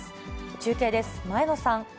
中継です。